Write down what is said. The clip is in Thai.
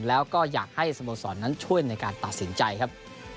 แล้วก็อยากให้สโมสรนั้นช่วยในการตัดสินใจครับ